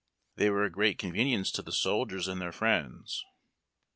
They were a great convenience to the soldiers and their friends.